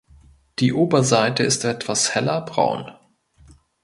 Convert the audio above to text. Die Oberseite ist etwas heller braun.